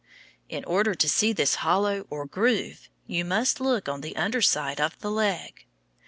In order to see this hollow or groove, you must look on the under side of the leg.